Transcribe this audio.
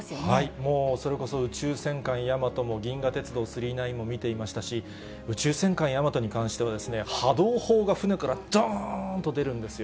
もう、それこそ宇宙戦艦ヤマトも銀河鉄道９９９も見ていましたし、宇宙戦艦ヤマトに関してはですね、波動砲が船からどーんと出るんですよ。